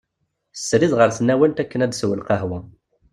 Srid ɣer tnawalt akken ad d-tessew lqahwa.